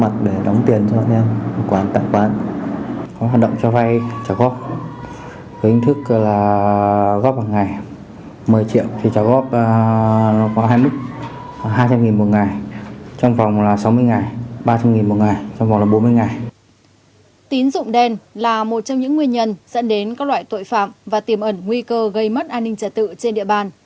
tín dụng đen là một trong những nguyên nhân dẫn đến các loại tội phạm và tiềm ẩn nguy cơ gây mất an ninh trả tự trên địa bàn